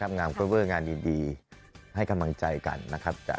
ฝากโปรเจกต์ดีนี้ไว้หน่อยครับพี่